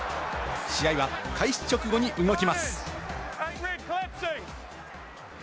試合は開始直後に動きます。